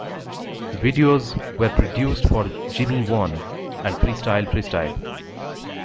Videos were produced for "Gimmie One" and "Freestyle Freestyle.